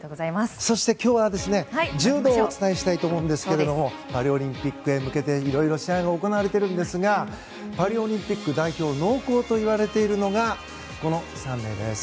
そして今日は、柔道をお伝えしようと思うんですがパリオリンピックへ向けていろいろ試合が行われているんですがパリオリンピック代表濃厚といわれているのがこちらの３名です。